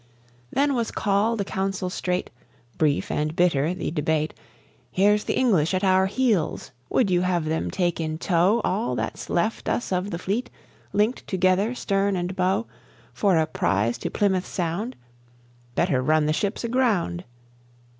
Then was called a council straight; Brief and bitter the debate: "Here's the English at our heels; would you have them take in tow All that's left us of the fleet, linked together stern and bow, For a prize to Plymouth Sound? Better run the ships aground!"